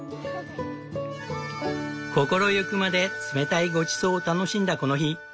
心ゆくまで冷たいごちそうを楽しんだこの日。